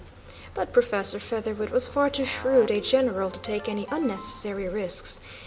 But Professor Featherwit was far too shrewd a general to take any unnecessary risks.